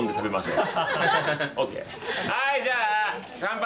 はいじゃあ乾杯！